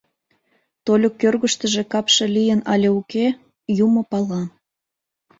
Тольык кӧргыштыжӧ капше лийын але уке — юмо пала.